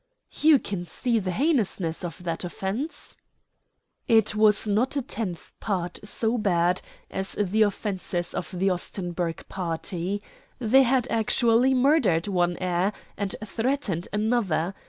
"You can see the heinousness of that offence?" "It was not a tenth part so bad as the offences of the Ostenburg party. They had actually murdered one heir and threatened another.